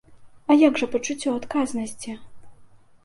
А як жа пачуццё адказнасці?